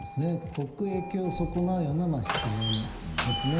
国益を損なうような失言ですね。